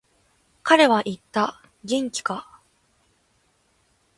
彼は言った、元気か。